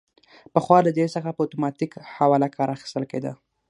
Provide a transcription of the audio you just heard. پخوا له دې څخه په اتوماتیک حواله کار اخیستل کیده.